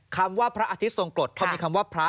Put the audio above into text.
คำว่าพระอาทิตย์ทรงกรดเขามีคำว่าพระ